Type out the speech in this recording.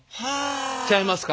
ちゃいますか？